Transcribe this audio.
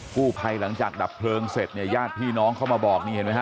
ภัยหลังจากดับเพลิงเสร็จเนี่ยญาติพี่น้องเข้ามาบอกนี่เห็นไหมฮ